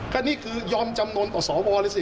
ก็นี่คือยอมจำนวนต่อสวเลยสิ